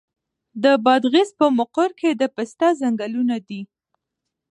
د بادغیس په مقر کې د پسته ځنګلونه دي.